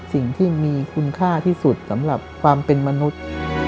สิ่งที่มีคุณค่าที่สุดสำหรับความเป็นมนุษย์